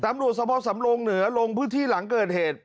ตำรวจสภสำรงเหนือลงพื้นที่หลังเกิดเหตุ